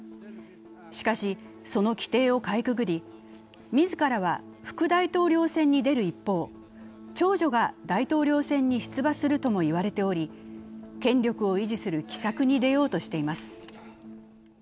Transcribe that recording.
しかし、その規定をかいくぐり、自らは副大統領選に出る一方、長女が大統領選に出馬するとも言われており、権力を維持する奇策に出ようとしています。